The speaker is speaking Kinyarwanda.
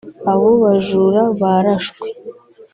Abo bajura barashwe